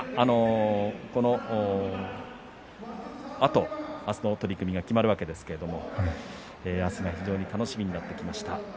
このあと明日の取組が決まるわけですけれど明日が非常に楽しみになってきました。